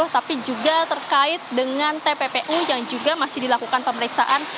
tapi juga terkait dengan tppu yang juga masih dilakukan pemeriksaan